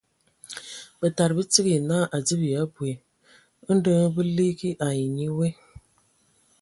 Bǝtada bə tsig naa a adzib ya abui. Ndɔ hm bə ligi ai nye we.